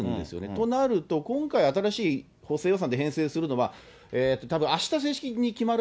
となると、今回新しい補正予算で編成するのは、たぶんあした正式に決まる